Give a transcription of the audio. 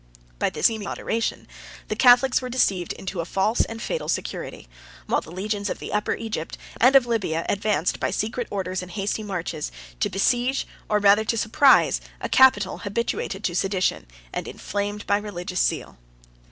By this seeming moderation, the Catholics were deceived into a false and fatal security; while the legions of the Upper Egypt, and of Libya, advanced, by secret orders and hasty marches, to besiege, or rather to surprise, a capital habituated to sedition, and inflamed by religious zeal.